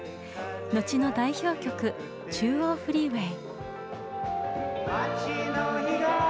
後の代表曲「中央フリーウェイ」。